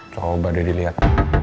coba dad dilihat